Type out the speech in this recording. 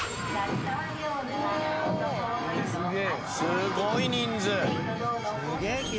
すごい人数！